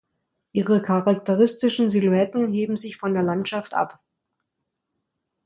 Ihre charakteristischen Silhouetten heben sich von der Landschaft ab.